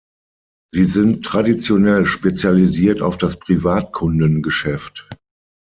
Sie sind traditionell spezialisiert auf das Privatkundengeschäft.